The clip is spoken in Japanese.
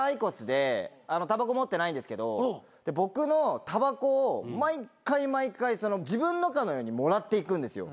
ＩＱＯＳでたばこ持ってないんですけど僕のたばこを毎回毎回自分のかのようにもらっていくんですよ。